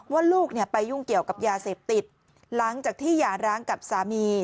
ว่าลูกเนี่ยไปยุ่งเกี่ยวกับยาเสพติดหลังจากที่หย่าร้างกับสามี